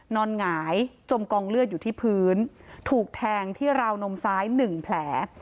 หงายจมกองเลือดอยู่ที่พื้นถูกแทงที่ราวนมซ้าย๑แผล